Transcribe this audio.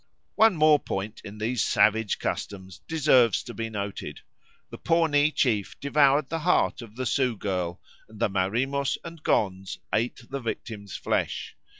One more point in these savage customs deserves to be noted. The Pawnee chief devoured the heart of the Sioux girl, and the Marimos and Gonds ate the victim's flesh.